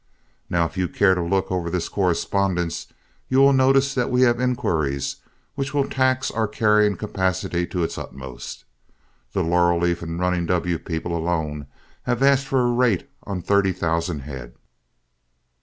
Now, if you care to look over this correspondence, you will notice that we have inquiries which will tax our carrying capacity to its utmost. The 'Laurel Leaf' and 'Running W' people alone have asked for a rate on thirty thousand head."